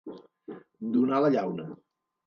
Donar la llauna.